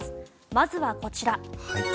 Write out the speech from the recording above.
まずはこちら。